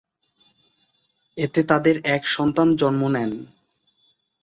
এতে তাদের এক সন্তান জন্ম নেন।